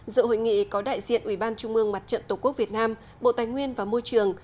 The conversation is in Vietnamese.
dự hội nghị có đại diện ubnd tổ quốc việt nam bộ tài nguyên và môi trường